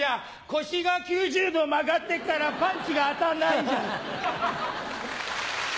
腰が９０度曲がってっからパンチが当たんないんじゃ。